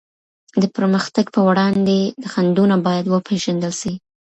د پرمختګ په وړاندي خنډونه بايد وپېژندل سي.